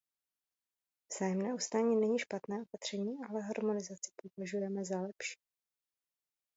Vzájemné uznání není špatné opatření, ale harmonizaci považujeme za lepší.